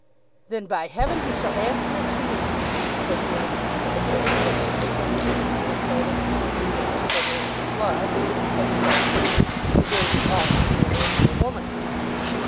"Then, by heaven, he shall answer it to me," Sir Felix had said very grandly, when his sister had told him that she was engaged to a man who was, as he thought he knew, engaged also to marry another woman.